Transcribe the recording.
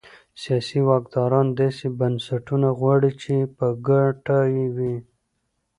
سیاسي واکداران داسې بنسټونه غواړي چې په ګټه یې وي.